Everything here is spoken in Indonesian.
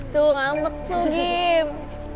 tuh ngambek tuh gim